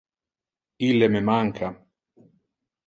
Ille me manca!